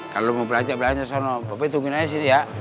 kalo lo mau belajar belajar sana tapi tungguin aja sini ya